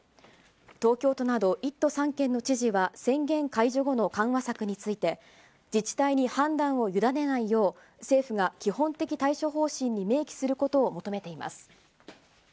東京都など１都３県の知事は、宣言解除後の緩和策について、自治体に判断を委ねないよう、政府が基本的対処方針に明記することを求めています。